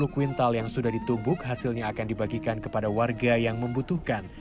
dua puluh kwintal yang sudah ditumbuk hasilnya akan dibagikan kepada warga yang membutuhkan